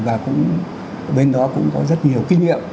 và bên đó cũng có rất nhiều kinh nghiệm